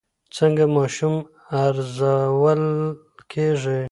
څنګه ماشوم ارزول کېږي؟